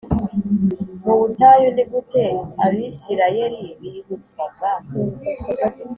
Mu butayu ni gute Abisirayeli bibutswaga